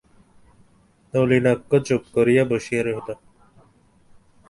নলিনাক্ষ চুপ করিয়া বসিয়া রহিল।